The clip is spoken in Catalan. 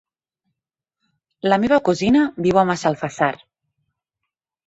La meva cosina viu a Massalfassar.